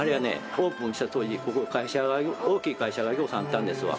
オープンした当時ここ会社が大きい会社がぎょうさんあったんですわ。